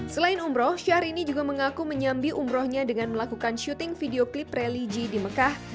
selain umroh syahrini juga mengaku menyambi umrohnya dengan melakukan syuting video klip religi di mekah